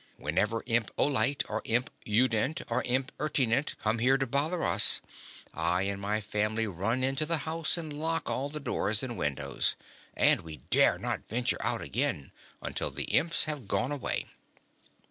Whenever Imp Olite or Imp Udent or Imp Ertinent comes here to bother us, I and my family run into the house and lock all the doors and windows, and we dare not venture out again until the Imps have gone away."